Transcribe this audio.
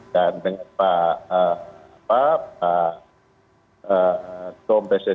dan dengan pak tom pssi